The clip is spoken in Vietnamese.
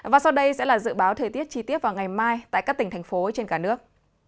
và sau đây sẽ là dự báo thời tiết chi tiết vào ngày mai tại các tỉnh thành phố trên cả nước